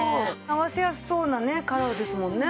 合わせやすそうなねカラーですもんね。